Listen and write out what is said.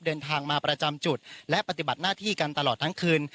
เดินทางมาประจำจุดและปฏิบัติหน้าที่กันตลอดทั้งคืน